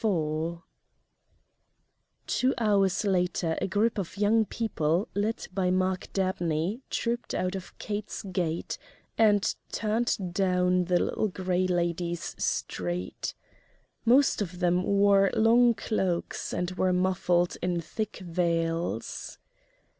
IV Two hours later a group of young people led by Mark Dabney trooped out of Kate's gate and turned down the Little Gray Lady's street. Most of them wore long cloaks and were muffled in thick veils.